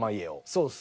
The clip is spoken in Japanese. そうですね。